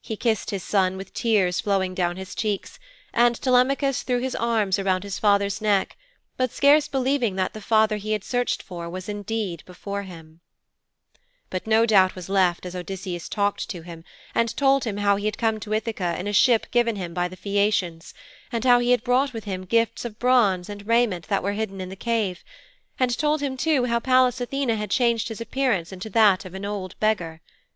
He kissed his son with tears flowing down his cheeks, and Telemachus threw his arms around his father's neck, but scarce believing that the father he had searched for was indeed before him. But no doubt was left as Odysseus talked to him, and told him how he had come to Ithaka in a ship given him by the Phæacians, and how he had brought with him gifts of bronze and raiment that were hidden in the cave, and told him, too, how Pallas Athene had changed his appearance into that of an old beggar.